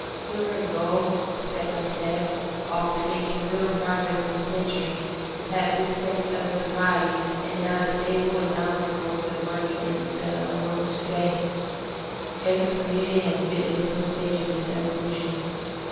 Silver and gold, step by step, often making little progress in a century, have displaced other commodities, and are the staple and dominant forms of money in the world to day. Every community has witnessed some stage of this evolution.